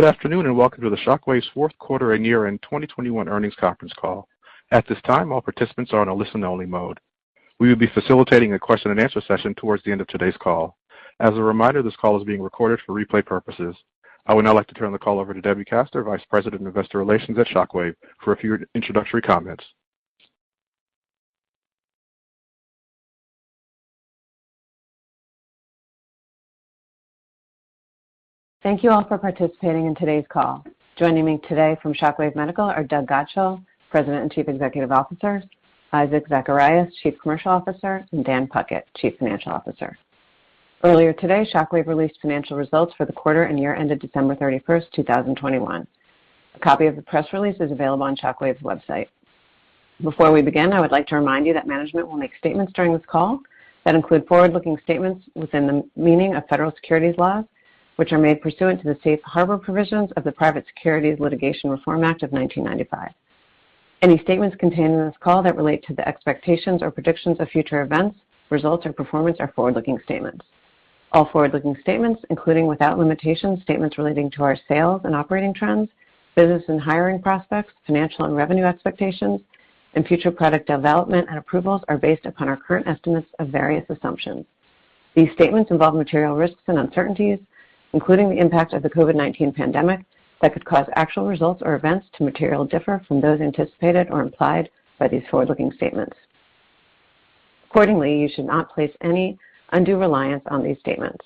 Good afternoon, and welcome to the ShockWave's fourth quarter and year-end 2021 earnings conference call. At this time, all participants are on a listen only mode. We will be facilitating a question and answer session towards the end of today's call. As a reminder, this call is being recorded for replay purposes. I would now like to turn the call over to Debbie Kaster, Vice President of Investor Relations at ShockWave, for a few introductory comments. Thank you all for participating in today's call. Joining me today from ShockWave Medical are Doug Godshall, President and Chief Executive Officer, Isaac Zacharias, Chief Commercial Officer, and Dan Puckett, Chief Financial Officer. Earlier today, ShockWave released financial results for the quarter and year ended December 31st, 2021. A copy of the press release is available on ShockWave's website. Before we begin, I would like to remind you that management will make statements during this call that include forward-looking statements within the meaning of federal securities laws, which are made pursuant to the Safe Harbor provisions of the Private Securities Litigation Reform Act of 1995. Any statements contained in this call that relate to the expectations or predictions of future events, results, or performance are forward-looking statements. All forward-looking statements, including without limitation, statements relating to our sales and operating trends, business and hiring prospects, financial and revenue expectations, and future product development and approvals, are based upon our current estimates of various assumptions. These statements involve material risks and uncertainties, including the impact of the COVID-19 pandemic, that could cause actual results or events to materially differ from those anticipated or implied by these forward-looking statements. Accordingly, you should not place any undue reliance on these statements.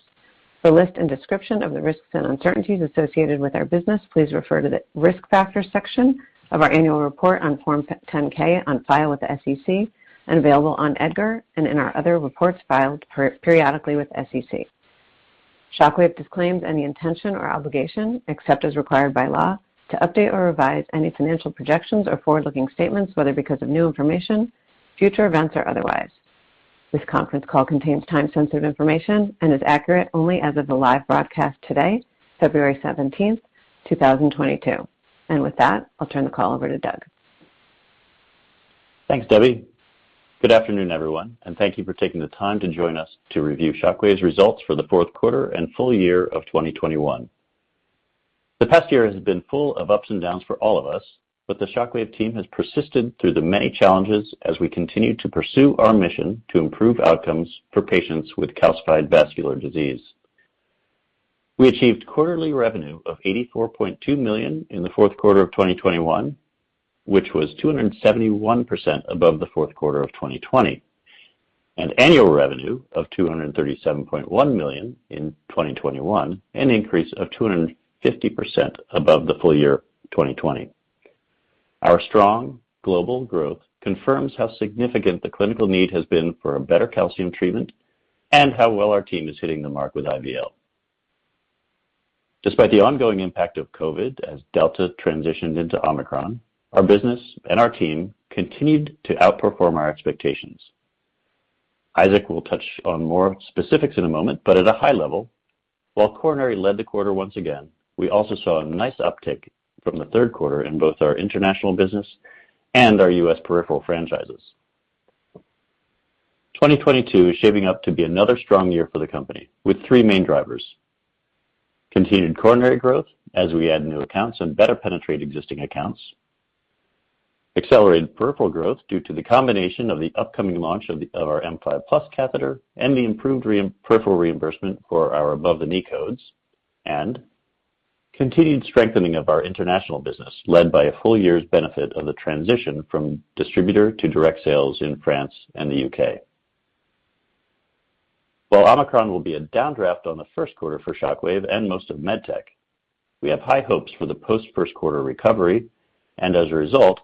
For a list and description of the risks and uncertainties associated with our business, please refer to the Risk Factors section of our annual report on Form 10-K on file with the SEC and available on EDGAR and in our other reports filed periodically with the SEC. ShockWave disclaims any intention or obligation, except as required by law, to update or revise any financial projections or forward-looking statements, whether because of new information, future events, or otherwise. This conference call contains time-sensitive information and is accurate only as of the live broadcast today, February 17th, 2022. With that, I'll turn the call over to Doug. Thanks, Debbie. Good afternoon, everyone, and thank you for taking the time to join us to review ShockWave's results for the fourth quarter and full year of 2021. The past year has been full of ups and downs for all of us, but the ShockWave team has persisted through the many challenges as we continue to pursue our mission to improve outcomes for patients with calcified vascular disease. We achieved quarterly revenue of $84.2 million in the fourth quarter of 2021, which was 271% above the fourth quarter of 2020, and annual revenue of $237.1 million in 2021, an increase of 250% above the full year of 2020. Our strong global growth confirms how significant the clinical need has been for a better calcium treatment and how well our team is hitting the mark with IVL. Despite the ongoing impact of COVID as Delta transitioned into Omicron, our business and our team continued to outperform our expectations. Isaac will touch on more specifics in a moment, but at a high level, while coronary led the quarter once again, we also saw a nice uptick from the third quarter in both our international business and our U.S. peripheral franchises. 2022 is shaping up to be another strong year for the company with three main drivers. Continued coronary growth as we add new accounts and better penetrate existing accounts. Accelerated peripheral growth due to the combination of the upcoming launch of our M5+ catheter and the improved peripheral reimbursement for our above-the-knee codes. Continued strengthening of our international business, led by a full year's benefit of the transition from distributor to direct sales in France and the U.K. While Omicron will be a downdraft on the first quarter for ShockWave and most of med tech, we have high hopes for the post first quarter recovery. As a result,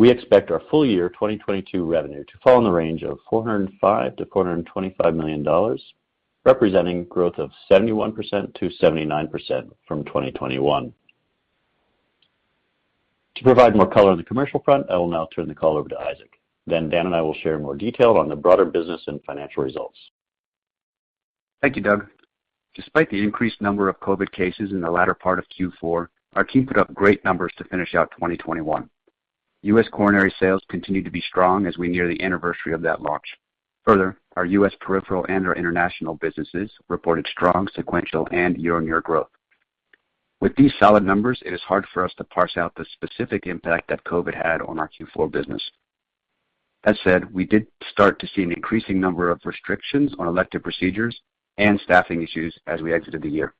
we expect our full year 2022 revenue to fall in the range of $405 million-$425 million, representing growth of 71%-79% from 2021. To provide more color on the commercial front, I will now turn the call over to Isaac. Then Dan and I will share more detail on the broader business and financial results. Thank you, Doug. Despite the increased number of COVID cases in the latter part of Q4, our team put up great numbers to finish out 2021. U.S. coronary sales continued to be strong as we near the anniversary of that launch. Further, our U.S. peripheral and our international businesses reported strong sequential and year-on-year growth. With these solid numbers, it is hard for us to parse out the specific impact that COVID had on our Q4 business. That said, we did start to see an increasing number of restrictions on elective procedures and staffing issues as we exited the year.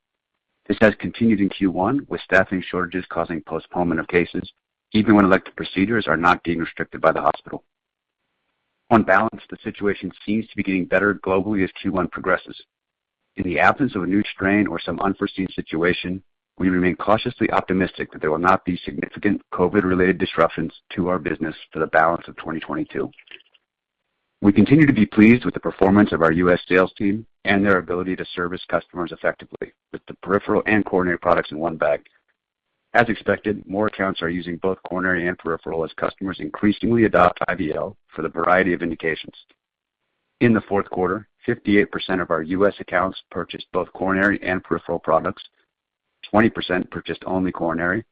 This has continued in Q1, with staffing shortages causing postponement of cases even when elective procedures are not being restricted by the hospital. On balance, the situation seems to be getting better globally as Q1 progresses. In the absence of a new strain or some unforeseen situation, we remain cautiously optimistic that there will not be significant COVID-related disruptions to our business for the balance of 2022. We continue to be pleased with the performance of our U.S. sales team and their ability to service customers effectively with the peripheral and coronary products in one bag. As expected, more accounts are using both coronary and peripheral as customers increasingly adopt IVL for the variety of indications. In the fourth quarter, 58% of our U.S. accounts purchased both coronary and peripheral products, 20% purchased only coronary,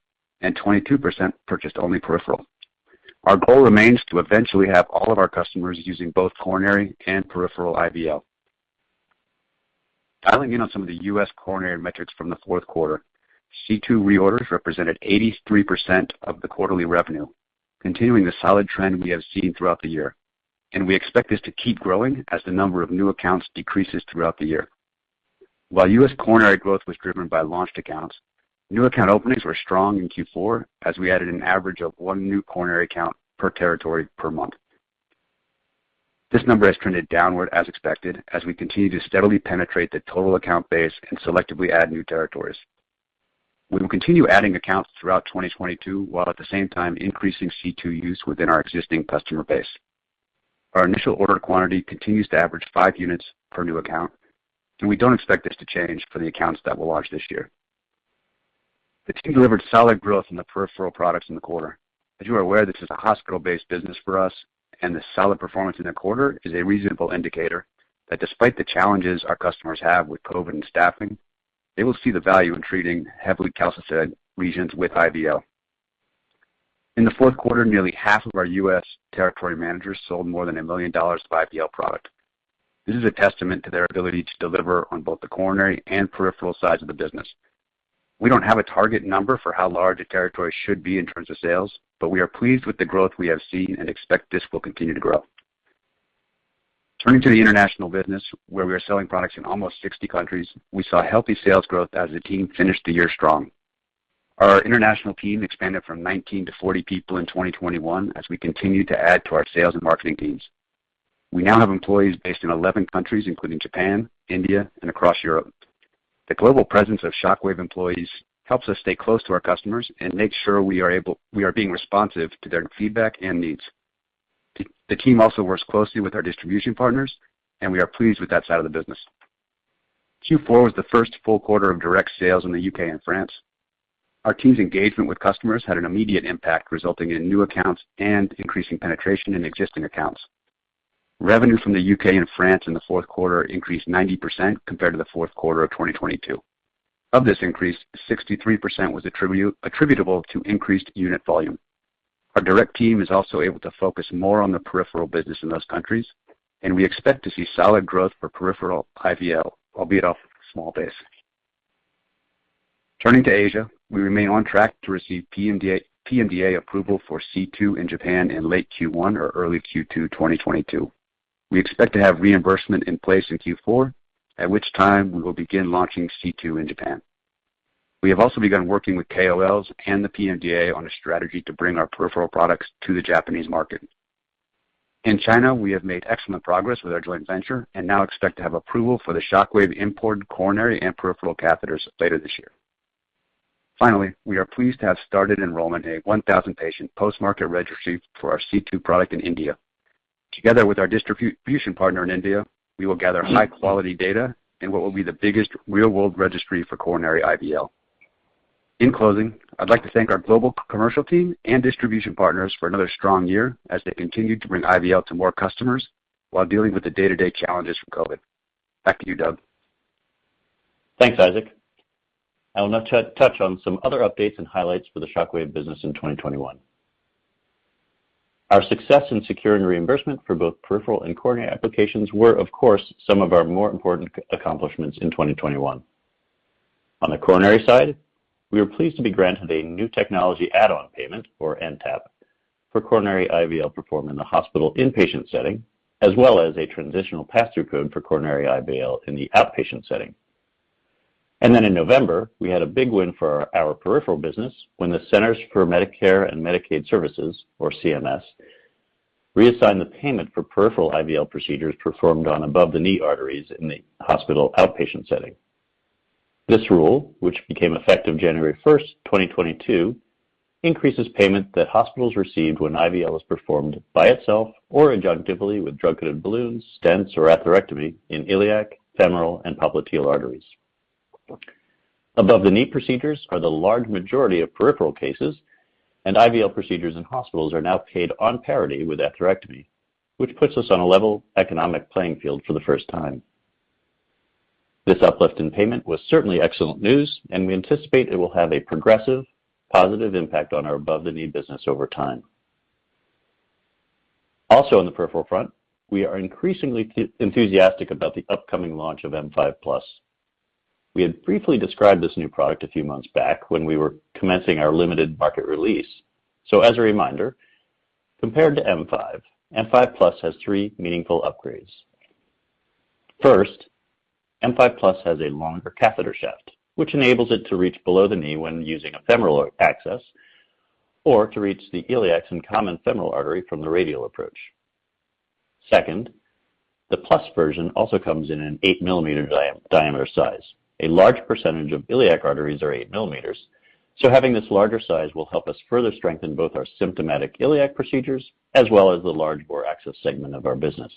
and 22% purchased only peripheral. Our goal remains to eventually have all of our customers using both coronary and peripheral IVL. Dialing in on some of the U.S. coronary metrics from the fourth quarter, C2 reorders represented 83% of the quarterly revenue, continuing the solid trend we have seen throughout the year, and we expect this to keep growing as the number of new accounts decreases throughout the year. While U.S. coronary growth was driven by launched accounts, new account openings were strong in Q4 as we added an average of one new coronary account per territory per month. This number has trended downward as expected as we continue to steadily penetrate the total account base and selectively add new territories. We will continue adding accounts throughout 2022, while at the same time increasing C2 use within our existing customer base. Our initial order quantity continues to average five units per new account, and we don't expect this to change for the accounts that we'll launch this year. The team delivered solid growth in the peripheral products in the quarter. As you are aware, this is a hospital-based business for us, and the solid performance in the quarter is a reasonable indicator that despite the challenges our customers have with COVID and staffing, they will see the value in treating heavily calcified regions with IVL. In the fourth quarter, nearly half of our U.S. territory managers sold more than $1 million of IVL product. This is a testament to their ability to deliver on both the coronary and peripheral sides of the business. We don't have a target number for how large a territory should be in terms of sales, but we are pleased with the growth we have seen and expect this will continue to grow. Turning to the international business, where we are selling products in almost 60 countries, we saw healthy sales growth as the team finished the year strong. Our international team expanded from 19 to 40 people in 2021 as we continued to add to our sales and marketing teams. We now have employees based in 11 countries, including Japan, India, and across Europe. The global presence of ShockWave employees helps us stay close to our customers and make sure we are being responsive to their feedback and needs. The team also works closely with our distribution partners, and we are pleased with that side of the business. Q4 was the first full quarter of direct sales in the U.K. and France. Our team's engagement with customers had an immediate impact, resulting in new accounts and increasing penetration in existing accounts. Revenue from the U.K. and France in the fourth quarter increased 90% compared to the fourth quarter of 2022. Of this increase, 63% was attributable to increased unit volume. Our direct team is also able to focus more on the peripheral business in those countries, and we expect to see solid growth for peripheral IVL, albeit off a small base. Turning to Asia, we remain on track to receive PMDA approval for C2 in Japan in late Q1 or early Q2 2022. We expect to have reimbursement in place in Q4, at which time we will begin launching C2 in Japan. We have also begun working with KOLs and the PMDA on a strategy to bring our peripheral products to the Japanese market. In China, we have made excellent progress with our joint venture and now expect to have approval for the Shockwave import coronary and peripheral catheters later this year. Finally, we are pleased to have started enrolling a 1,000-patient post-market registry for our C2 product in India. Together with our distribution partner in India, we will gather high-quality data in what will be the biggest real-world registry for coronary IVL. In closing, I'd like to thank our global commercial team and distribution partners for another strong year as they continued to bring IVL to more customers while dealing with the day-to-day challenges from COVID. Back to you, Doug. Thanks, Isaac. I will now touch on some other updates and highlights for the ShockWave business in 2021. Our success in securing reimbursement for both peripheral and coronary applications were, of course, some of our more important accomplishments in 2021. On the coronary side, we were pleased to be granted a new technology add-on payment or NTAP for coronary IVL performed in the hospital inpatient setting, as well as a transitional pass-through code for coronary IVL in the outpatient setting. Then in November, we had a big win for our peripheral business when the Centers for Medicare and Medicaid Services, or CMS, reassigned the payment for peripheral IVL procedures performed on above-the-knee arteries in the hospital outpatient setting. This rule, which became effective January 1st, 2022, increases payment that hospitals received when IVL is performed by itself or adjunctively with drug-coated balloons, stents or atherectomy in iliac, femoral, and popliteal arteries. Above the knee procedures are the large majority of peripheral cases, and IVL procedures in hospitals are now paid on parity with atherectomy, which puts us on a level economic playing field for the first time. This uplift in payment was certainly excellent news, and we anticipate it will have a progressive, positive impact on our above-the-knee business over time. Also on the peripheral front, we are increasingly enthusiastic about the upcoming launch of M5+. We had briefly described this new product a few months back when we were commencing our limited market release. As a reminder, compared to M5, M5+ has three meaningful upgrades. First, M5+ has a longer catheter shaft, which enables it to reach below the knee when using a femoral access or to reach the iliacs and common femoral artery from the radial approach. Second, the plus version also comes in an 8 mm diameter size. A large percentage of iliac arteries are 8 mm, so having this larger size will help us further strengthen both our symptomatic iliac procedures as well as the large bore access segment of our business.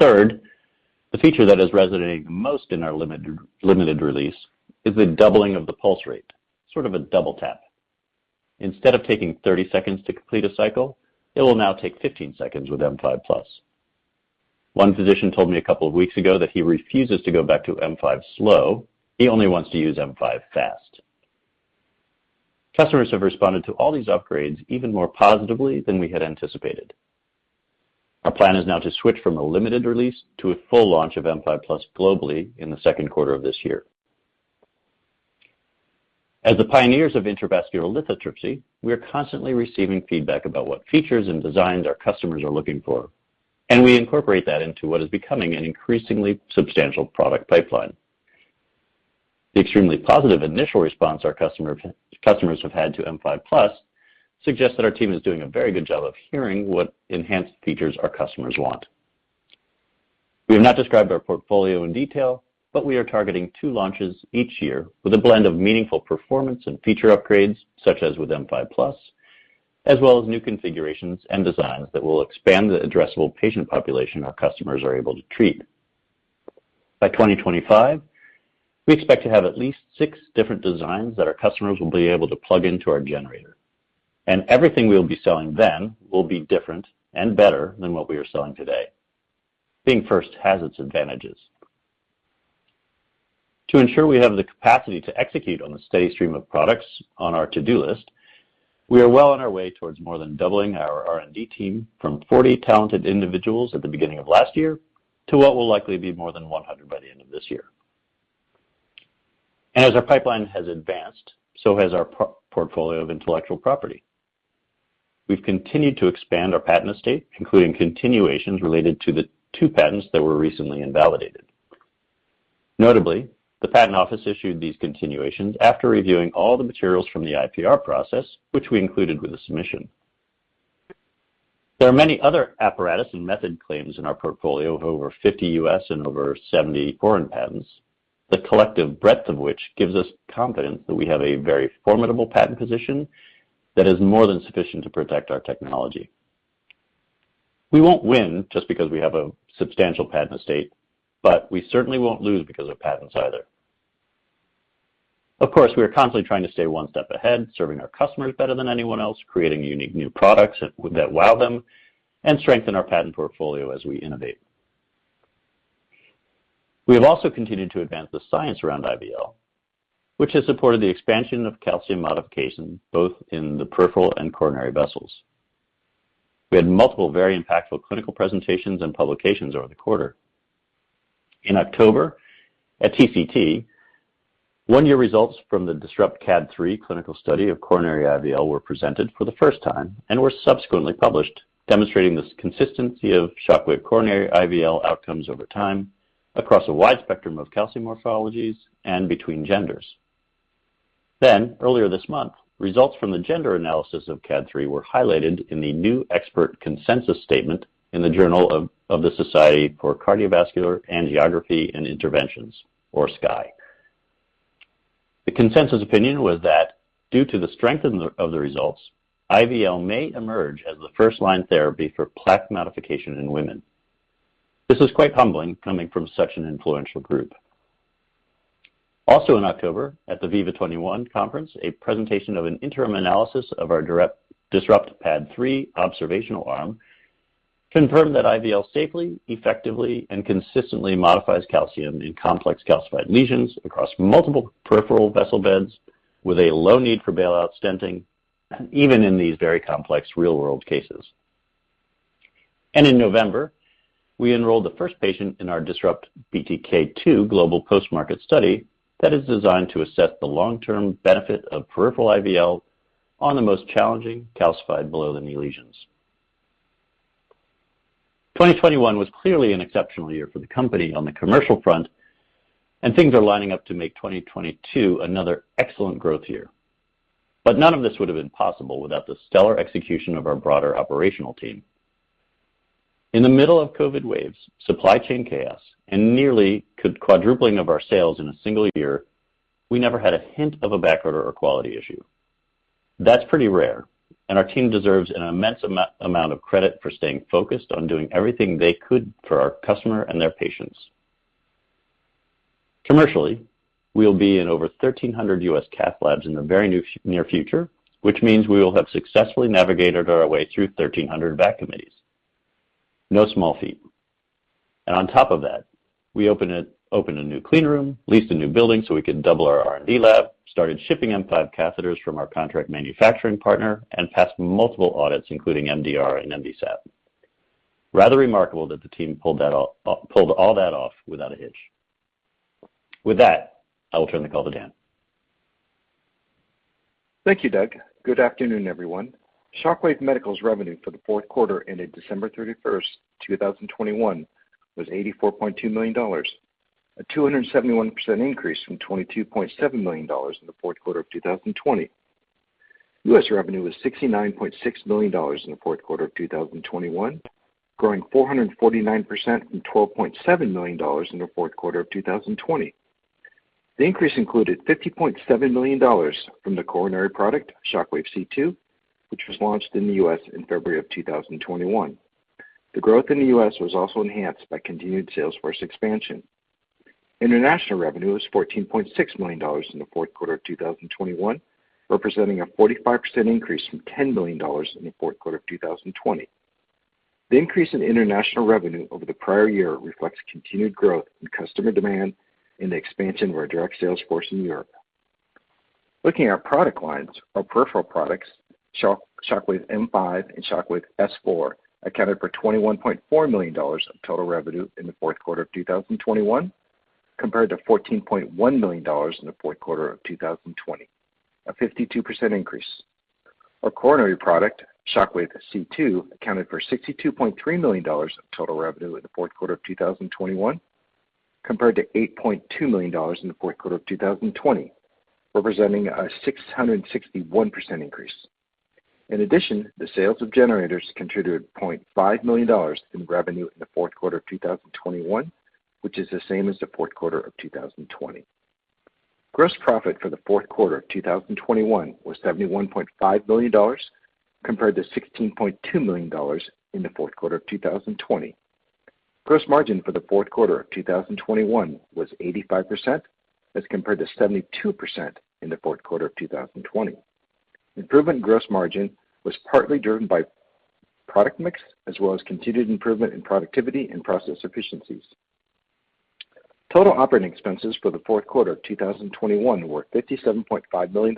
Third, the feature that is resonating most in our limited release is the doubling of the pulse rate, sort of a double tap. Instead of taking 30 seconds to complete a cycle, it will now take 15 seconds with M5+. One physician told me a couple of weeks ago that he refuses to go back to M5 slow. He only wants to use M5 fast. Customers have responded to all these upgrades even more positively than we had anticipated. Our plan is now to switch from a limited release to a full launch of M5+ globally in the second quarter of this year. As the pioneers of intravascular lithotripsy, we are constantly receiving feedback about what features and designs our customers are looking for, and we incorporate that into what is becoming an increasingly substantial product pipeline. The extremely positive initial response our customers have had to M5+ suggests that our team is doing a very good job of hearing what enhanced features our customers want. We have not described our portfolio in detail, but we are targeting two launches each year with a blend of meaningful performance and feature upgrades, such as with M5+, as well as new configurations and designs that will expand the addressable patient population our customers are able to treat. By 2025, we expect to have at least six different designs that our customers will be able to plug into our generator. Everything we'll be selling then will be different and better than what we are selling today. Being first has its advantages. To ensure we have the capacity to execute on the steady stream of products on our to-do list, we are well on our way towards more than doubling our R&D team from 40 talented individuals at the beginning of last year to what will likely be more than 100 by the end of this year. As our pipeline has advanced, so has our portfolio of intellectual property. We've continued to expand our patent estate, including continuations related to the two patents that were recently invalidated. Notably, the patent office issued these continuations after reviewing all the materials from the IPR process, which we included with the submission. There are many other apparatus and method claims in our portfolio of over 50 U.S. and over 70 foreign patents, the collective breadth of which gives us confidence that we have a very formidable patent position that is more than sufficient to protect our technology. We won't win just because we have a substantial patent estate, but we certainly won't lose because of patents either. Of course, we are constantly trying to stay one step ahead, serving our customers better than anyone else, creating unique new products that wow them, and strengthen our patent portfolio as we innovate. We have also continued to advance the science around IVL, which has supported the expansion of calcium modification both in the peripheral and coronary vessels. We had multiple very impactful clinical presentations and publications over the quarter. In October, at TCT, one-year results from the DISRUPT CAD III clinical study of coronary IVL were presented for the first time and were subsequently published demonstrating this consistency of ShockWave coronary IVL outcomes over time across a wide spectrum of calcium morphologies and between genders. Earlier this month, results from the gender analysis of CAD III were highlighted in the new expert consensus statement in the Journal of the Society for Cardiovascular Angiography & Interventions, or SCAI. The consensus opinion was that due to the strength of the results, IVL may emerge as the first line therapy for plaque modification in women. This is quite humbling, coming from such an influential group. Also in October, at the VIVA 21 conference, a presentation of an interim analysis of our DISRUPT PAD III observational arm confirmed that IVL safely, effectively, and consistently modifies calcium in complex calcified lesions across multiple peripheral vessel beds with a low need for bailout stenting, even in these very complex real-world cases. In November, we enrolled the first patient in our DISRUPT BTK II global post-market study that is designed to assess the long-term benefit of peripheral IVL on the most challenging calcified below-the-knee lesions. 2021 was clearly an exceptional year for the company on the commercial front, and things are lining up to make 2022 another excellent growth year. None of this would have been possible without the stellar execution of our broader operational team. In the middle of COVID waves, supply chain chaos, and nearly quadrupling of our sales in a single year, we never had a hint of a backorder or quality issue. That's pretty rare, and our team deserves an immense amount of credit for staying focused on doing everything they could for our customer and their patients. Commercially, we'll be in over 1,300 U.S. cath labs in the near future, which means we will have successfully navigated our way through 1,300 VAC committees. No small feat. On top of that, we opened a new clean room, leased a new building so we could double our R&D lab, started shipping M5 catheters from our contract manufacturing partner, and passed multiple audits, including MDR and MDSAP. Rather remarkable that the team pulled all that off without a hitch. With that, I will turn the call to Dan. Thank you, Doug. Good afternoon, everyone. Shockwave Medical's revenue for the fourth quarter ended December 31st, 2021 was $84.2 million, a 271% increase from $22.7 million in the fourth quarter of 2020. U.S. revenue was $69.6 million in the fourth quarter of 2021, growing 449% from $12.7 million in the fourth quarter of 2020. The increase included $50.7 million from the coronary product, Shockwave C2, which was launched in the U.S. in February 2021. The growth in the U.S. was also enhanced by continued sales force expansion. International revenue was $14.6 million in the fourth quarter of 2021, representing a 45% increase from $10 million in the fourth quarter of 2020. The increase in international revenue over the prior year reflects continued growth in customer demand and the expansion of our direct sales force in Europe. Looking at our product lines, our peripheral products, Shockwave M5 and Shockwave S4, accounted for $21.4 million of total revenue in the fourth quarter of 2021, compared to $14.1 million in the fourth quarter of 2020, a 52% increase. Our coronary product, Shockwave C2, accounted for $62.3 million of total revenue in the fourth quarter of 2021, compared to $8.2 million in the fourth quarter of 2020, representing a 661% increase. In addition, the sales of generators contributed $0.5 million in revenue in the fourth quarter of 2021, which is the same as the fourth quarter of 2020. Gross profit for the fourth quarter of 2021 was $71.5 million, compared to $16.2 million in the fourth quarter of 2020. Gross margin for the fourth quarter of 2021 was 85%, as compared to 72% in the fourth quarter of 2020. Improvement in gross margin was partly driven by product mix, as well as continued improvement in productivity and process efficiencies. Total operating expenses for the fourth quarter of 2021 were $57.5 million,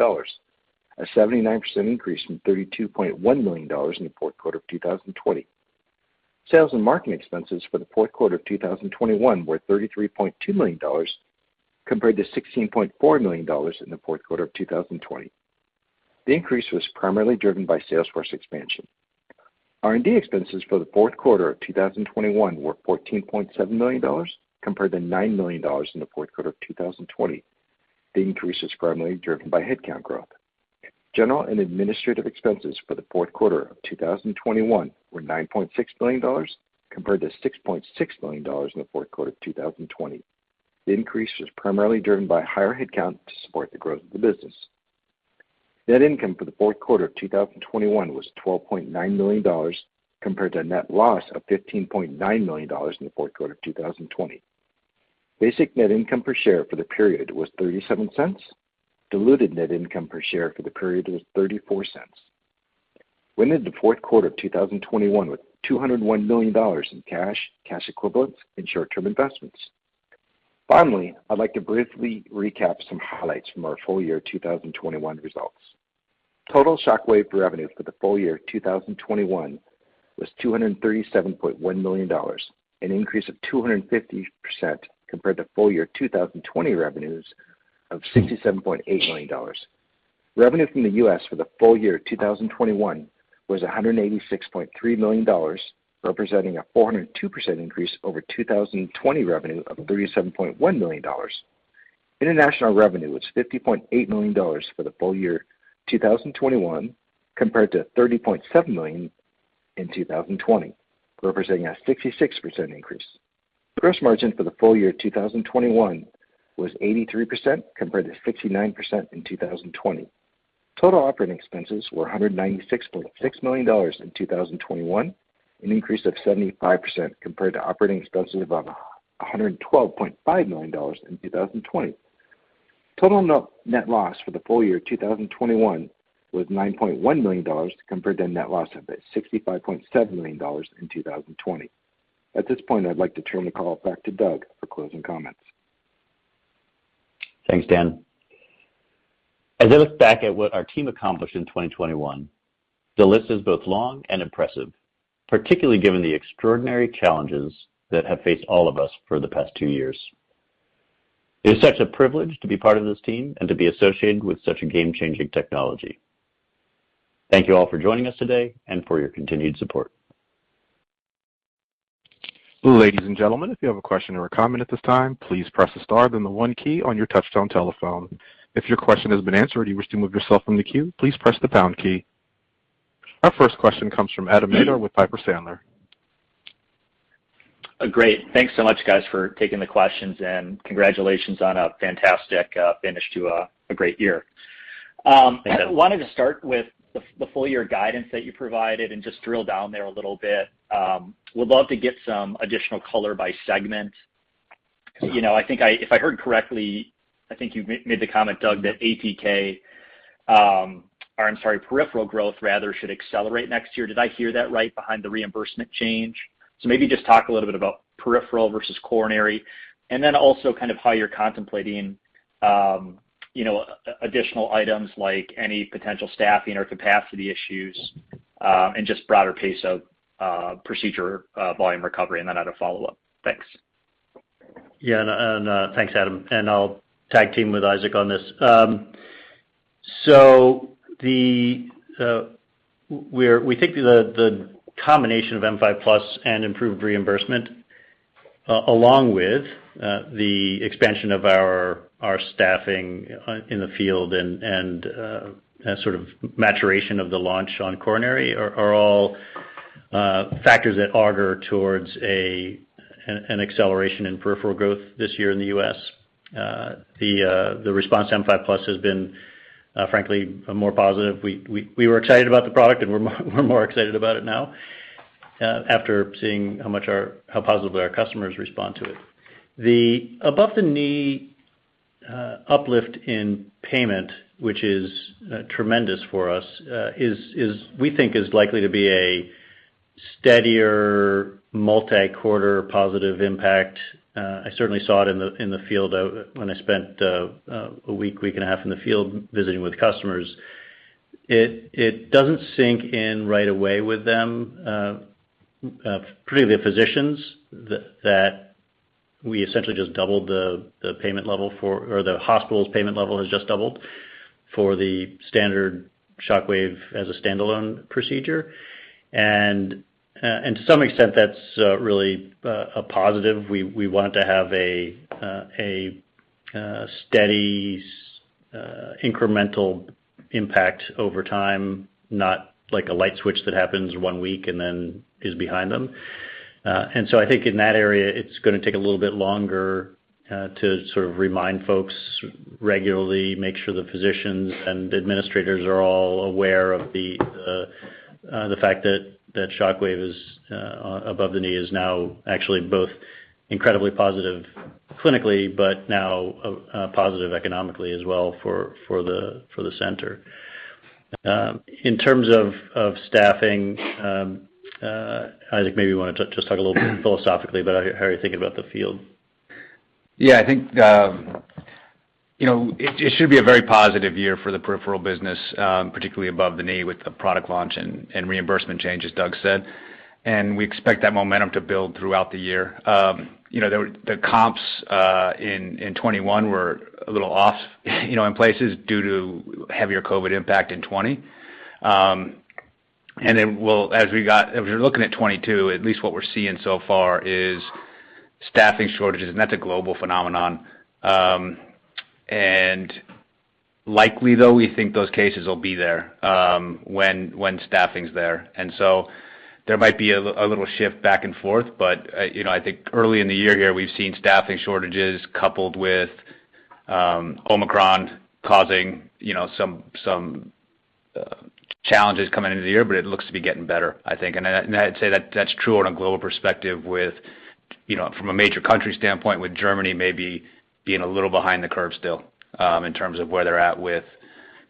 a 79% increase from $32.1 million in the fourth quarter of 2020. Sales and marketing expenses for the fourth quarter of 2021 were $33.2 million, compared to $16.4 million in the fourth quarter of 2020. The increase was primarily driven by sales force expansion. R&D expenses for the fourth quarter of 2021 were $14.7 million, compared to $9 million in the fourth quarter of 2020. The increase was primarily driven by headcount growth. General and administrative expenses for the fourth quarter of 2021 were $9.6 million, compared to $6.6 million in the fourth quarter of 2020. The increase was primarily driven by higher headcount to support the growth of the business. Net income for the fourth quarter of 2021 was $12.9 million, compared to a net loss of $15.9 million in the fourth quarter of 2020. Basic net income per share for the period was $0.37. Diluted net income per share for the period was $0.34. We ended the fourth quarter of 2021 with $201 million in cash, cash equivalents, and short-term investments. Finally, I'd like to briefly recap some highlights from our full year 2021 results. Total ShockWave revenue for the full year 2021 was $237.1 million, an increase of 250% compared to full year 2020 revenues of $67.8 million. Revenue from the U.S. for the full year 2021 was $186.3 million, representing a 402% increase over 2020 revenue of $37.1 million. International revenue was $50.8 million for the full year 2021, compared to $30.7 million in 2020, representing a 66% increase. Gross margin for the full year 2021 was 83%, compared to 69% in 2020. Total operating expenses were $196.6 million in 2021, an increase of 75% compared to operating expenses of $112.5 million in 2020. Total net loss for the full year 2021 was $9.1 million, compared to a net loss of $65.7 million in 2020. At this point, I'd like to turn the call back to Doug for closing comments. Thanks, Dan. As I look back at what our team accomplished in 2021, the list is both long and impressive, particularly given the extraordinary challenges that have faced all of us for the past two years. It is such a privilege to be part of this team and to be associated with such a game-changing technology. Thank you all for joining us today and for your continued support. Ladies and gentlemen, if you have a question or a comment at this time, please press the star then the one key on your touch-tone telephone. If your question has been answered and you wish to remove yourself from the queue, please press the pound key. Our first question comes from Adam Maeder with Piper Sandler. Great. Thanks so much, guys, for taking the questions and congratulations on a fantastic finish to a great year. I wanted to start with the full year guidance that you provided and just drill down there a little bit. Would love to get some additional color by segment. You know, I think if I heard correctly, I think you made the comment, Doug, that ATK, or I'm sorry, peripheral growth rather should accelerate next year. Did I hear that right behind the reimbursement change? Maybe just talk a little bit about peripheral versus coronary, and then also kind of how you're contemplating, you know, additional items like any potential staffing or capacity issues, and just broader pace of procedure volume recovery, and then I have a follow-up. Thanks. Yeah, thanks, Adam. I'll tag team with Isaac on this. We think the combination of M5+ and improved reimbursement, along with the expansion of our staffing in the field and sort of maturation of the launch on coronary are all factors that augur towards an acceleration in peripheral growth this year in the U.S. The response to M5+ has been frankly more positive. We were excited about the product and we're more excited about it now. After seeing how positively our customers respond to it. The above the knee uplift in payment, which is tremendous for us, is likely to be a steadier multi-quarter positive impact. I certainly saw it in the field when I spent a week and a half in the field visiting with customers. It doesn't sink in right away with them, particularly the physicians that we essentially just doubled the payment level for or the hospital's payment level has just doubled for the standard ShockWave as a standalone procedure. To some extent, that's really a positive. We want to have a steady incremental impact over time, not like a light switch that happens one week and then is behind them. I think in that area, it's going to take a little bit longer to sort of remind folks regularly, make sure the physicians and administrators are all aware of the fact that ShockWave above the knee is now actually both incredibly positive clinically, but now positive economically as well for the center. In terms of staffing, Isaac, maybe you want to just talk a little bit philosophically about how you're thinking about the field. Yeah, I think, you know, it should be a very positive year for the peripheral business, particularly above the knee with the product launch and reimbursement change, as Doug said. We expect that momentum to build throughout the year. You know, the comps in 2021 were a little off, you know, in places due to heavier COVID impact in 2020. As we were looking at 2022, at least what we're seeing so far is staffing shortages, and that's a global phenomenon. Likely, though, we think those cases will be there, when staffing is there. There might be a little shift back and forth. you know, I think early in the year here, we've seen staffing shortages coupled with Omicron causing, you know, some challenges coming into the year, but it looks to be getting better, I think. I'd say that that's true on a global perspective with, you know, from a major country standpoint, with Germany maybe being a little behind the curve still in terms of where they're at with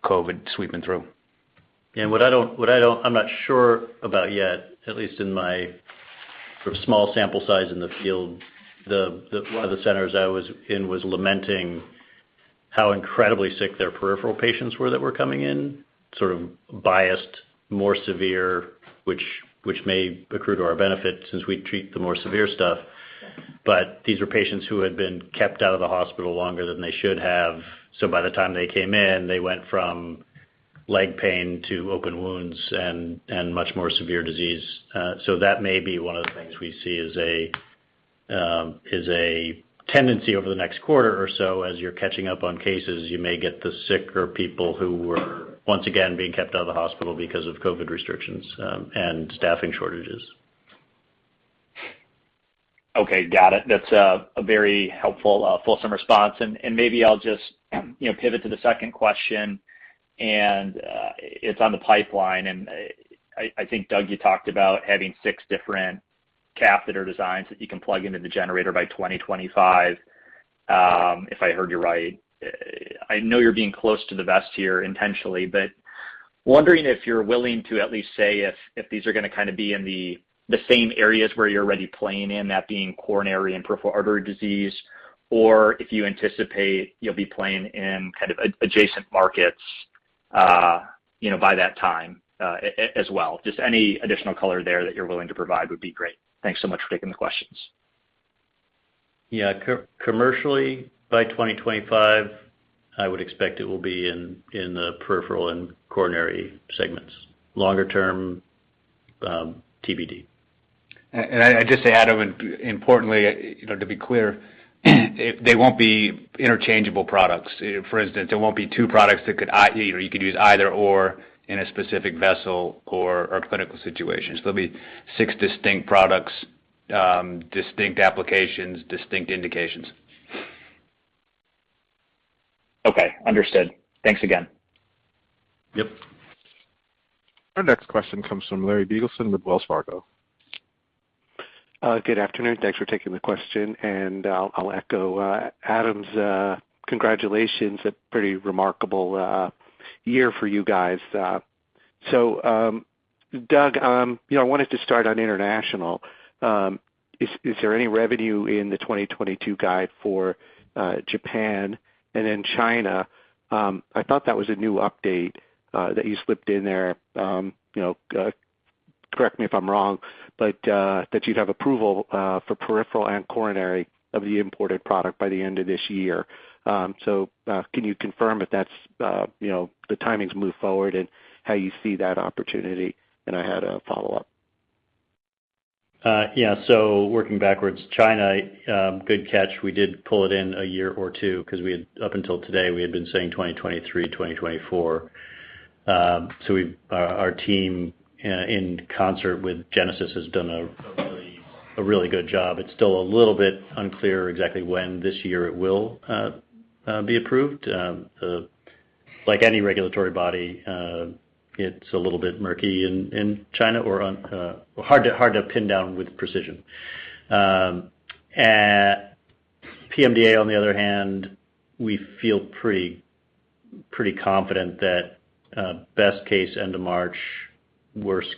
COVID sweeping through. I'm not sure about yet, at least in my sort of small sample size in the field. One of the centers I was in was lamenting how incredibly sick their peripheral patients were that were coming in, sort of biased, more severe, which may accrue to our benefit since we treat the more severe stuff. These were patients who had been kept out of the hospital longer than they should have. By the time they came in, they went from leg pain to open wounds and much more severe disease. That may be one of the things we see as a tendency over the next quarter or so. As you're catching up on cases, you may get the sicker people who were once again being kept out of the hospital because of COVID restrictions, and staffing shortages. Okay. Got it. That's a very helpful fulsome response. Maybe I'll just, you know, pivot to the second question, and it's on the pipeline. I think, Doug, you talked about having six different catheter designs that you can plug into the generator by 2025, if I heard you right. I know you're being close to the vest here intentionally, but wondering if you're willing to at least say if these are going to kind of be in the same areas where you're already playing in, that being coronary and peripheral artery disease, or if you anticipate you'll be playing in kind of adjacent markets, you know, by that time, as well. Just any additional color there that you're willing to provide would be great. Thanks so much for taking the questions. Yeah. Commercially, by 2025, I would expect it will be in the peripheral and coronary segments. Longer term, TBD. I just add, importantly, you know, to be clear, they won't be interchangeable products. For instance, there won't be two products that could, you know, you could use either or in a specific vessel or a clinical situation. There'll be six distinct products, distinct applications, distinct indications. Okay, understood. Thanks again. Yep. Our next question comes from Larry Biegelsen with Wells Fargo. Good afternoon. Thanks for taking the question, and I'll echo Adam's congratulations. A pretty remarkable year for you guys. Doug, you know, I wanted to start on international. Is there any revenue in the 2022 guide for Japan? Then China, I thought that was a new update that you slipped in there. You know, correct me if I'm wrong, but that you'd have approval for peripheral and coronary of the imported product by the end of this year. Can you confirm if that's the timing's moved forward and how you see that opportunity? I had a follow-up. Yeah. Working backwards. China, good catch. We did pull it in a year or two because we had up until today, we had been saying 2023, 2024. Our team in concert with Genesis has done a really good job. It's still a little bit unclear exactly when this year it will be approved. Like any regulatory body, it's a little bit murky in China or hard to pin down with precision. At PMDA on the other hand, we feel pretty confident that best case, end of March, worst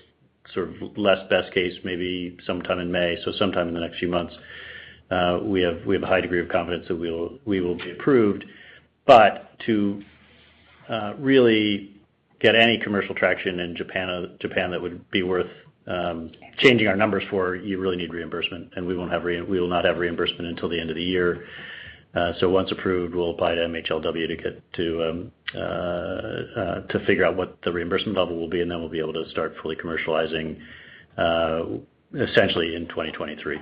sort of less best case, maybe sometime in May, so sometime in the next few months. We have a high degree of confidence that we will be approved. To really get any commercial traction in Japan that would be worth changing our numbers for, you really need reimbursement, and we will not have reimbursement until the end of the year. Once approved, we'll apply to MHLW to figure out what the reimbursement level will be, and then we'll be able to start fully commercializing essentially in 2023.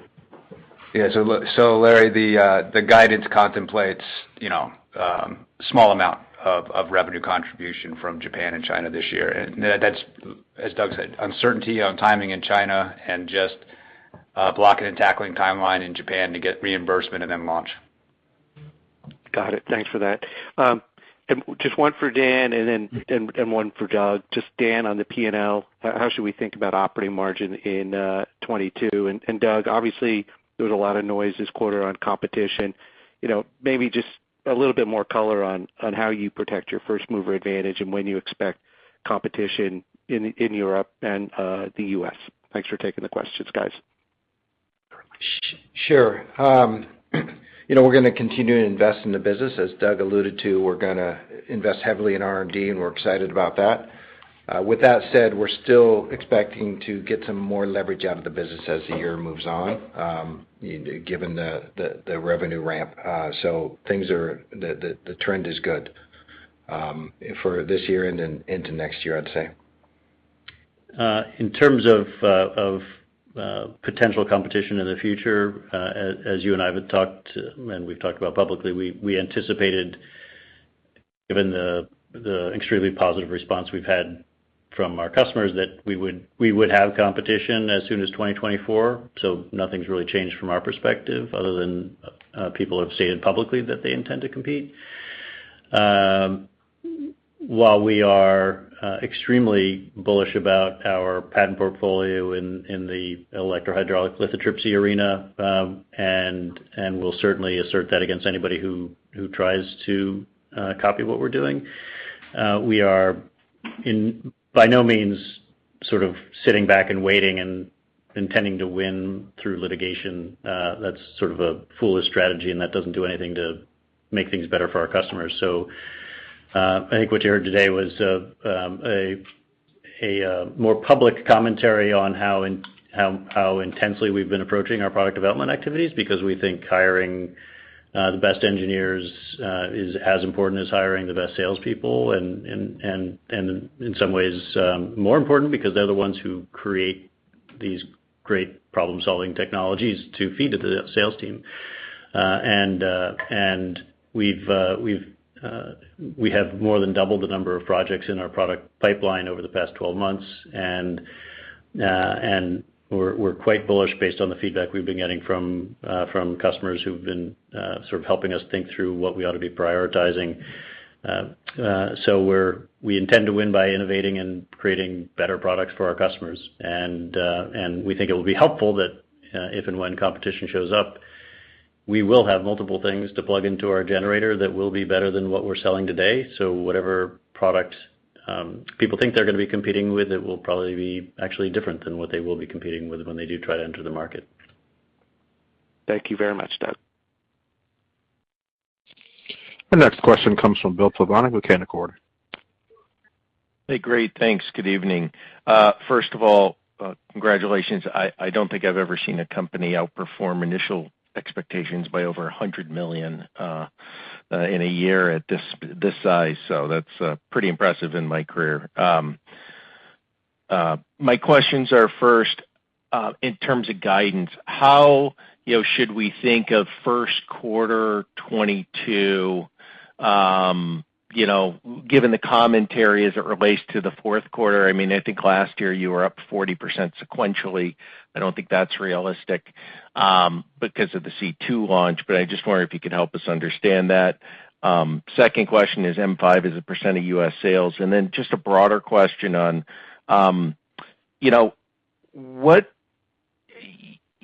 Yeah. Larry, the guidance contemplates, you know, small amount of revenue contribution from Japan and China this year. That's, as Doug said, uncertainty on timing in China and just blocking and tackling timeline in Japan to get reimbursement and then launch. Got it. Thanks for that. Just one for Dan and then one for Doug. Just Dan on the P&L, how should we think about operating margin in 2022? Doug, obviously, there was a lot of noise this quarter on competition. You know, maybe just a little bit more color on how you protect your first-mover advantage and when you expect competition in Europe and the U.S. Thanks for taking the questions, guys. Sure. You know, we're gonna continue to invest in the business. As Doug alluded to, we're gonna invest heavily in R&D, and we're excited about that. With that said, we're still expecting to get some more leverage out of the business as the year moves on, given the revenue ramp. The trend is good for this year and then into next year, I'd say. In terms of potential competition in the future, as you and I have talked to and we've talked about publicly, we anticipated, given the extremely positive response we've had from our customers, that we would have competition as soon as 2024. Nothing's really changed from our perspective other than people have stated publicly that they intend to compete. While we are extremely bullish about our patent portfolio in the electrohydraulic lithotripsy arena, and we'll certainly assert that against anybody who tries to copy what we're doing, we are by no means sort of sitting back and waiting and intending to win through litigation. That's sort of a foolish strategy, and that doesn't do anything to make things better for our customers. I think what you heard today was a more public commentary on how intensely we've been approaching our product development activities because we think hiring the best engineers is as important as hiring the best salespeople and in some ways more important because they're the ones who create these great problem-solving technologies to feed to the sales team. We have more than doubled the number of projects in our product pipeline over the past 12 months. We're quite bullish based on the feedback we've been getting from customers who've been sort of helping us think through what we ought to be prioritizing. We intend to win by innovating and creating better products for our customers. We think it will be helpful that if and when competition shows up, we will have multiple things to plug into our generator that will be better than what we're selling today. Whatever product people think they're gonna be competing with, it will probably be actually different than what they will be competing with when they do try to enter the market. Thank you very much, Doug. The next question comes from Bill Plovanic with Canaccord. Hey. Great. Thanks. Good evening. First of all, congratulations. I don't think I've ever seen a company outperform initial expectations by over $100 million in a year at this size. So that's pretty impressive in my career. My questions are, first, in terms of guidance, how should we think of first quarter 2022, given the commentary as it relates to the fourth quarter? I mean, I think last year you were up 40% sequentially. I don't think that's realistic, because of the C2 launch, but I just wonder if you could help us understand that. Second question is M5 as a percent of U.S. sales. And then just a broader question on, you know, what...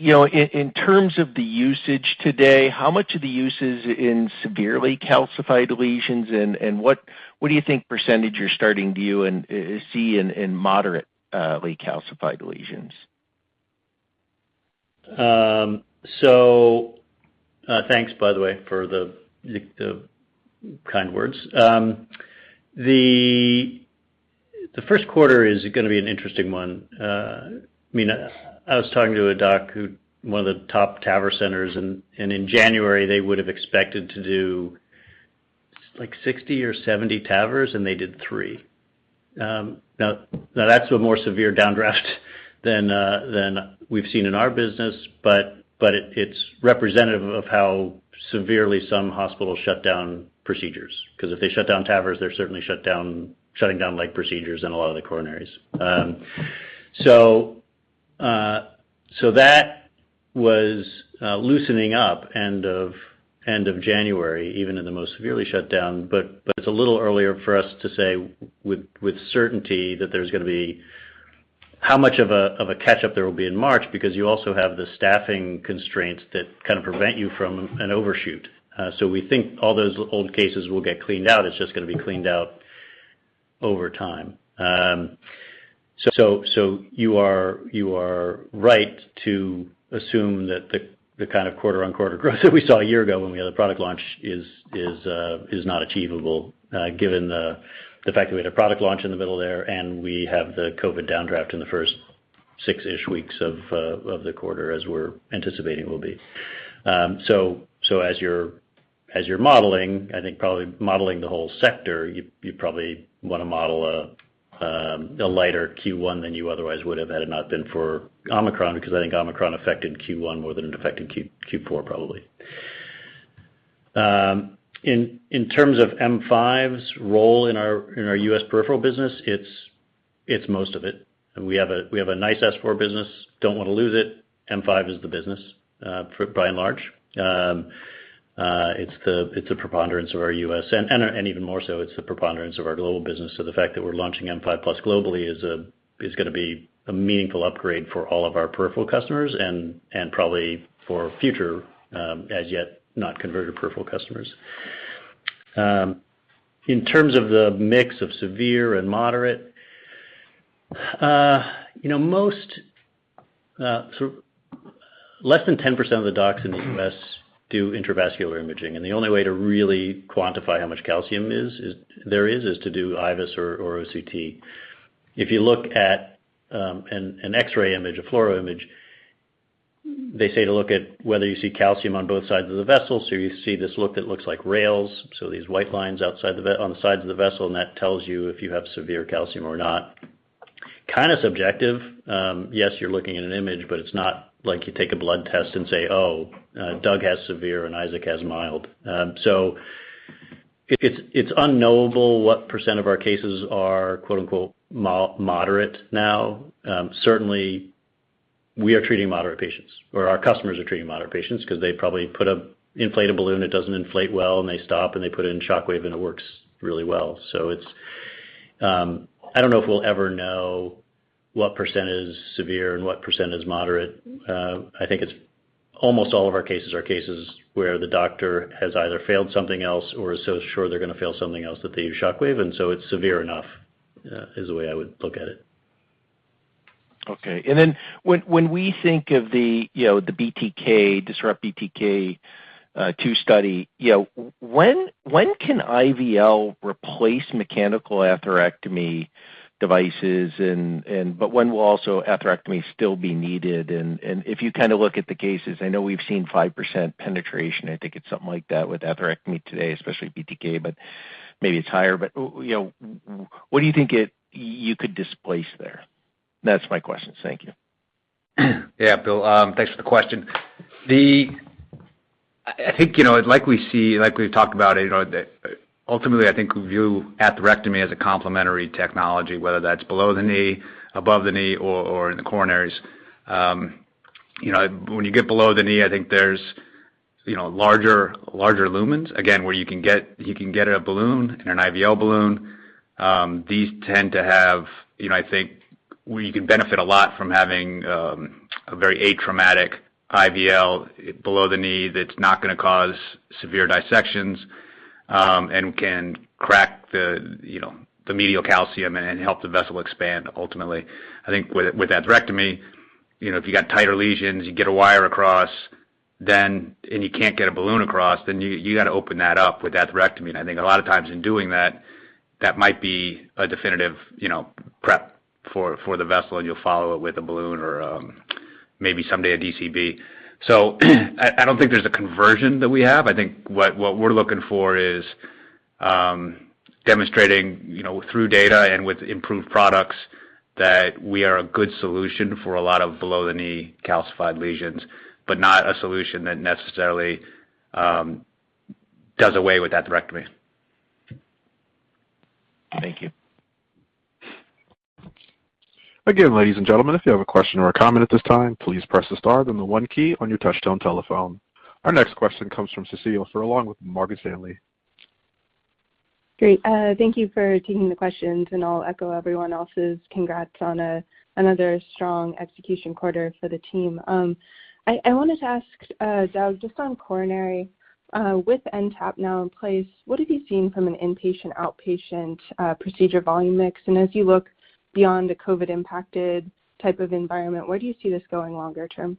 You know, in terms of the usage today, how much of the usage in severely calcified lesions, and what do you think percentage you're starting to view and see in moderately calcified lesions? Thanks by the way for the kind words. The first quarter is gonna be an interesting one. I mean, I was talking to a doc, one of the top TAVR centers, and in January, they would have expected to do like 60 or 70 TAVRs, and they did three. Now, that's a more severe downdraft than we've seen in our business, but it's representative of how severely some hospitals shut down procedures. Because if they shut down TAVRs, they're certainly shutting down leg procedures and a lot of the coronaries. That was loosening up end of January, even in the most severely shut down. It's a little early for us to say with certainty that there's gonna be. How much of a catch-up there will be in March because you also have the staffing constraints that kind of prevent you from an overshoot? We think all those old cases will get cleaned out. It's just gonna be cleaned out over time. You are right to assume that the kind of quarter-on-quarter growth that we saw a year ago when we had a product launch is not achievable, given the fact that we had a product launch in the middle there, and we have the COVID downdraft in the first six-ish weeks of the quarter as we're anticipating will be. As you're modeling, I think probably modeling the whole sector, you probably want to model a lighter Q1 than you otherwise would have had it not been for Omicron, because I think Omicron affected Q1 more than it affected Q4 probably. In terms of M5's role in our U.S. peripheral business, it's most of it. We have a nice S4 business. Don't wanna lose it. M5 is the business by and large. It's the preponderance of our U.S. and even more so, it's the preponderance of our global business. The fact that we're launching M5+ globally is gonna be a meaningful upgrade for all of our peripheral customers and probably for future as yet not converted peripheral customers. In terms of the mix of severe and moderate, you know, most sort of less than 10% of the docs in the U.S. do intravascular imaging, and the only way to really quantify how much calcium there is is to do IVUS or OCT. If you look at an X-ray image, a fluoro image, they say to look at whether you see calcium on both sides of the vessel. So you see this look that looks like rails, so these white lines outside the vessel on the sides of the vessel, and that tells you if you have severe calcium or not. Kind of subjective. Yes, you're looking at an image, but it's not like you take a blood test and say, "Oh, Doug has severe and Isaac has mild." So it's unknowable what % of our cases are quote-unquote moderate now. Certainly we are treating moderate patients, or our customers are treating moderate patients 'cause they probably put an inflatable balloon that doesn't inflate well, and they stop, and they put it in ShockWave, and it works really well. So it's, I don't know if we'll ever know what percent is severe and what percent is moderate. I think it's almost all of our cases are cases where the doctor has either failed something else or is so sure they're gonna fail something else that they use ShockWave, and so it's severe enough is the way I would look at it. Okay. Then when we think of the, you know, the BTK, DISRUPT BTK II study, you know, when can IVL replace mechanical atherectomy devices. When will atherectomy also still be needed? If you kinda look at the cases, I know we've seen 5% penetration, I think it's something like that, with atherectomy today, especially BTK, but maybe it's higher. You know, what do you think you could displace there? That's my questions. Thank you. Yeah, Bill, thanks for the question. I think, you know, like we see, like we talked about, you know, ultimately, I think we view atherectomy as a complementary technology, whether that's below the knee, above the knee or in the coronaries. You know, when you get below the knee, I think there's, you know, larger lumens, again, where you can get a balloon and an IVL balloon. These tend to have, you know, I think where you can benefit a lot from having a very atraumatic IVL below the knee that's not gonna cause severe dissections, and can crack the, you know, the medial calcium and help the vessel expand ultimately. I think with atherectomy, you know, if you got tighter lesions, you get a wire across, then. You can't get a balloon across, then you gotta open that up with atherectomy. I think a lot of times in doing that might be a definitive, you know, prep for the vessel, and you'll follow it with a balloon or, maybe someday a DCB. I don't think there's a conversion that we have. I think what we're looking for is, demonstrating, you know, through data and with improved products that we are a good solution for a lot of below-the-knee calcified lesions, but not a solution that necessarily does away with atherectomy. Thank you. Again, ladies and gentlemen, if you have a question or a comment at this time, please press the star, then the one key on your touch-tone telephone. Our next question comes from Cecilia Furlong with Morgan Stanley. Great. Thank you for taking the questions, and I'll echo everyone else's congrats on another strong execution quarter for the team. I wanted to ask, Doug, just on coronary, with NTAP now in place, what have you seen from an inpatient/outpatient procedure volume mix? As you look beyond the COVID-impacted type of environment, where do you see this going longer term?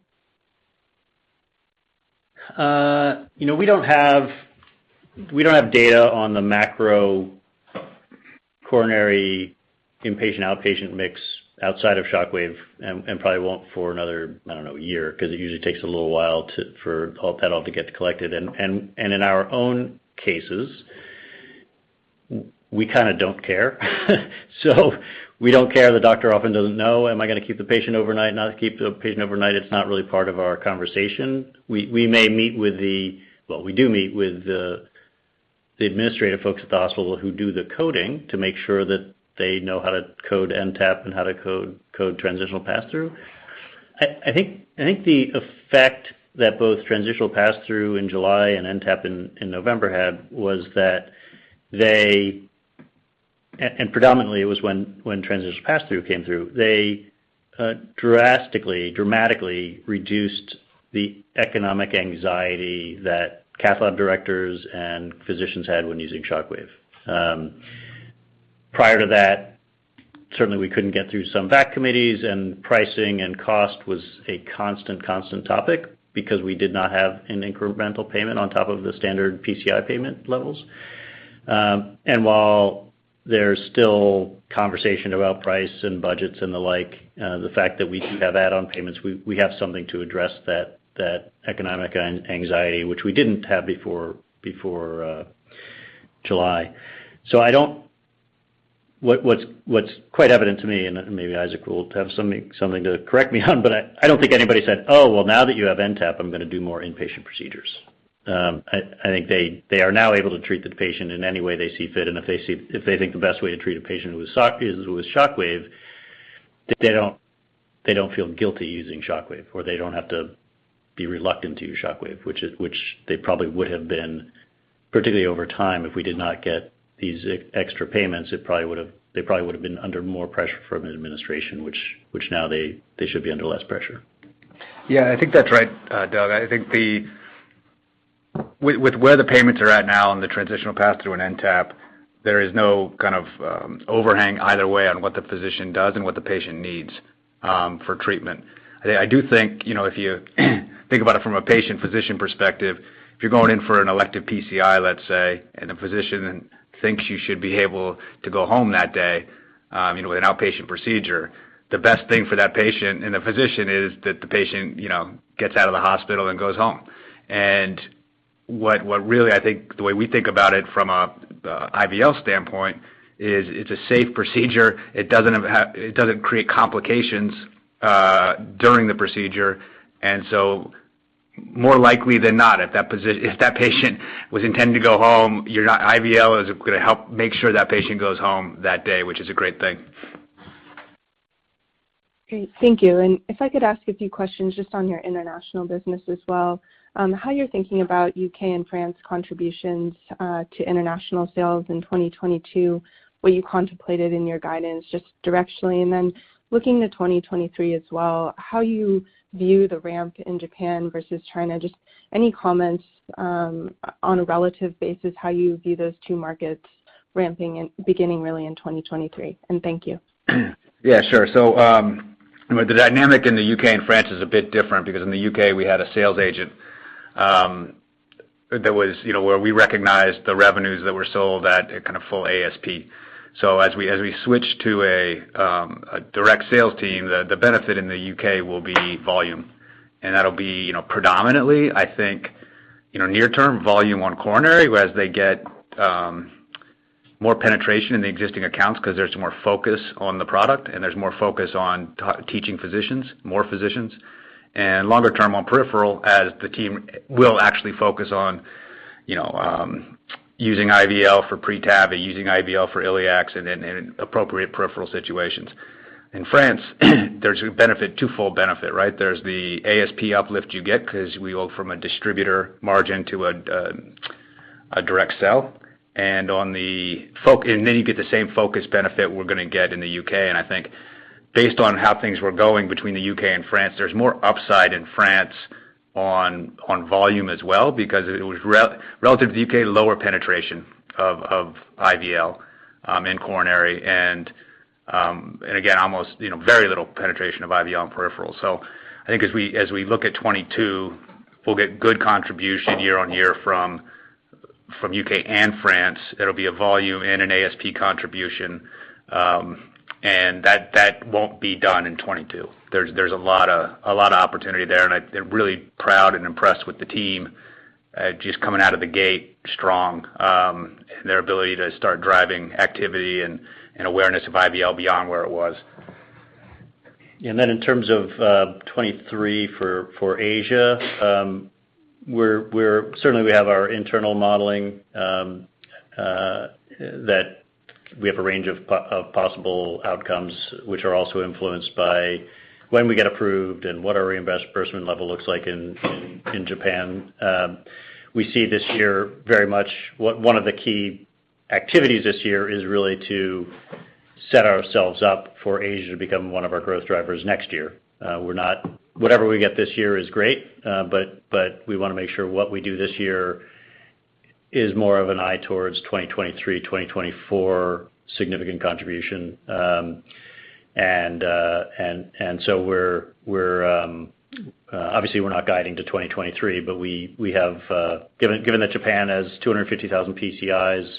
You know, we don't have data on the macro coronary inpatient/outpatient mix outside of ShockWave and probably won't for another, I don't know, year, 'cause it usually takes a little while for all data to get collected. In our own cases, we kinda don't care. We don't care. The doctor often doesn't know, am I gonna keep the patient overnight, not keep the patient overnight? It's not really part of our conversation. We do meet with the administrative folks at the hospital who do the coding to make sure that they know how to code NTAP and how to code Transitional Pass-Through. I think the effect that both Transitional Pass-Through in July and NTAP in November had was that they. Predominantly it was when Transitional Pass-Through came through. They drastically, dramatically reduced the economic anxiety that cath lab directors and physicians had when using ShockWave. Prior to that, certainly we couldn't get through some VAC committees, and pricing and cost was a constant topic because we did not have an incremental payment on top of the standard PCI payment levels. While there's still conversation about price and budgets and the like, the fact that we do have add-on payments, we have something to address that economic anxiety which we didn't have before July. I don't... What's quite evident to me, and maybe Isaac will have something to correct me on, but I don't think anybody said, "Oh, well, now that you have NTAP, I'm gonna do more inpatient procedures." I think they are now able to treat the patient in any way they see fit. If they think the best way to treat a patient with shock is with ShockWave, they don't feel guilty using ShockWave, or they don't have to be reluctant to use ShockWave, which they probably would have been, particularly over time if we did not get these extra payments, they probably would have been under more pressure from an administration, which now they should be under less pressure. Yeah, I think that's right, Doug. I think with where the payments are at now in the Transitional Pass-Through and NTAP, there is no kind of overhang either way on what the physician does and what the patient needs for treatment. I do think, you know, if you think about it from a patient-physician perspective, if you're going in for an elective PCI, let's say, and the physician thinks you should be able to go home that day, you know, with an outpatient procedure, the best thing for that patient and the physician is that the patient, you know, gets out of the hospital and goes home. What really I think the way we think about it from a IVL standpoint is it's a safe procedure. It doesn't create complications during the procedure. More likely than not, if that patient was intending to go home, IVL is gonna help make sure that patient goes home that day, which is a great thing. Great. Thank you. If I could ask a few questions just on your international business as well, how you're thinking about U.K. and France contributions to international sales in 2022, what you contemplated in your guidance just directionally. Looking to 2023 as well, how you view the ramp in Japan versus China. Just any comments on a relative basis, how you view those two markets ramping and beginning really in 2023. Thank you. Yeah, sure. The dynamic in the U.K. and France is a bit different because in the U.K. we had a sales agent, that was, you know, where we recognized the revenues that were sold at a kind of full ASP. As we switch to a direct sales team, the benefit in the U.K. will be volume, and that'll be, you know, predominantly, I think, you know, near term volume on coronary, whereas they get more penetration in the existing accounts because there's more focus on the product and there's more focus on teaching physicians, more physicians. Longer term on peripheral as the team will actually focus on, you know, using IVL for pre-TAVR, using IVL for iliacs and appropriate peripheral situations. In France, there's a benefit, two-fold benefit, right? There's the ASP uplift you get because we go from a distributor margin to a direct sell. Then you get the same focus benefit we're gonna get in the U.K. I think based on how things were going between the U.K. and France, there's more upside in France on volume as well because it was relative to the U.K., lower penetration of IVL in coronary and again, almost, you know, very little penetration of IVL on peripheral. I think as we look at 2022, we'll get good contribution year-over-year from U.K. and France. It'll be a volume and an ASP contribution, and that won't be done in 2022. There's a lot of opportunity there, and I'm really proud and impressed with the team, just coming out of the gate strong, and their ability to start driving activity and awareness of IVL beyond where it was. In terms of 2023 for Asia, certainly we have our internal modeling that we have a range of possible outcomes, which are also influenced by when we get approved and what our reimbursement level looks like in Japan. We see this year very much. One of the key activities this year is really to set ourselves up for Asia to become one of our growth drivers next year. Whatever we get this year is great, but we wanna make sure what we do this year is more of an eye towards 2023, 2024 significant contribution. We're obviously not guiding to 2023, but we have, given that Japan has 250,000 PCIs,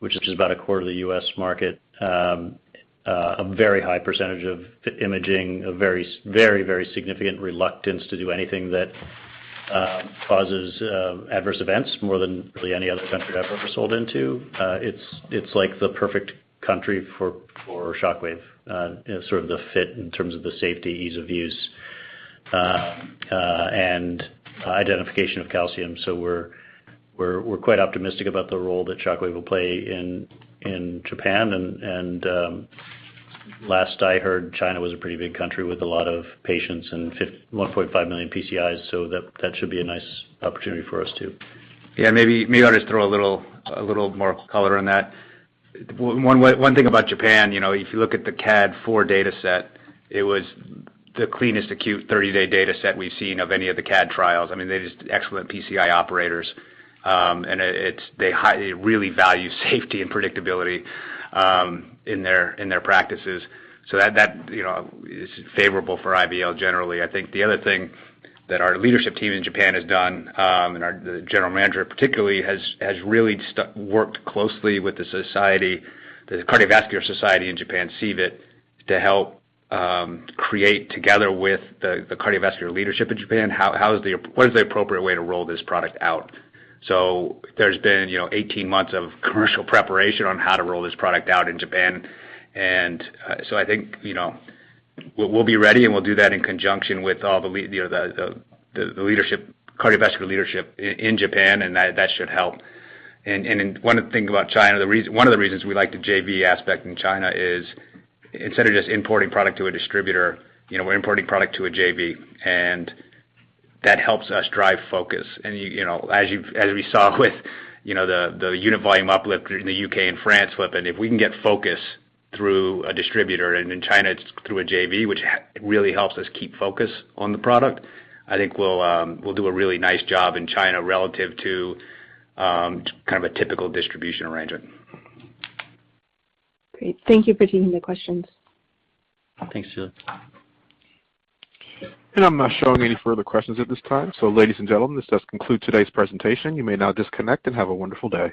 which is about a quarter of the U.S. market, a very high percentage of imaging, a very, very significant reluctance to do anything that causes adverse events more than really any other country I've ever sold into. It's like the perfect country for ShockWave, you know, sort of the fit in terms of the safety, ease of use, and identification of calcium. We're quite optimistic about the role that ShockWave will play in Japan. Last I heard, China was a pretty big country with a lot of patients and 1.5 million PCIs, so that should be a nice opportunity for us too. Yeah, maybe I'll just throw a little more color on that. One thing about Japan, you know, if you look at the CAD IV data set, it was the cleanest acute 30-day data set we've seen of any of the CAD trials. I mean, they're just excellent PCI operators. They really value safety and predictability in their practices. That, you know, is favorable for IVL generally. I think the other thing that our leadership team in Japan has done, the general manager particularly has really worked closely with the society, the cardiovascular society in Japan, CVIT, to help create together with the cardiovascular leadership in Japan, what is the appropriate way to roll this product out. There's been, you know, 18 months of commercial preparation on how to roll this product out in Japan. I think, you know, we'll be ready, and we'll do that in conjunction with all the leadership, cardiovascular leadership in Japan, and that should help. One of the things about China, one of the reasons we like the JV aspect in China is instead of just importing product to a distributor, you know, we're importing product to a JV, and that helps us drive focus. You know, as we saw with, you know, the unit volume uplift in the U.K. and France flip, and if we can get focus through a distributor, and in China it's through a JV, which really helps us keep focus on the product, I think we'll do a really nice job in China relative to kind of a typical distribution arrangement. Great. Thank you for taking the questions. Thanks, Cecilia. I'm not showing any further questions at this time. Ladies and gentlemen, this does conclude today's presentation. You may now disconnect and have a wonderful day.